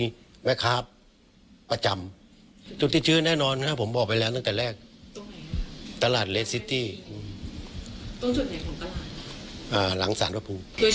ด้วยเฉพาะเราซื้อลอตเตอรี่ประมาณกี่เดือนค้างหรืองวดยังไงบ้างครับ